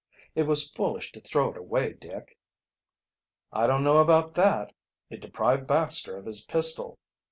"It was foolish to throw it away, Dick." "I don't know about that. It deprived Baxter of his pistol.